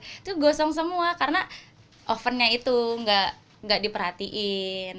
itu gosong semua karena ovennya itu nggak diperhatiin